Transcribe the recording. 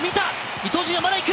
伊東純也まだいく！